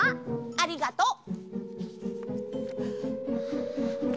ありがとう！